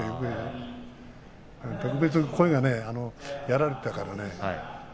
特別、声がやられていたからね。